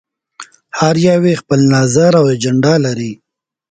هر يو یې خپل نظر او اجنډا لري.